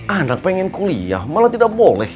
anak pengen kuliah malah tidak boleh